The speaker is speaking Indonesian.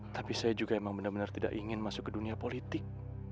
tapi saya juga emang benar benar tidak ingin masuk ke dunia politik